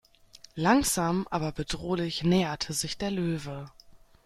Langsam aber bedrohlich näherte sich der Löwe.